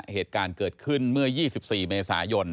เหตุการณ์เกิดขึ้นเมื่อ๒๔เมษายน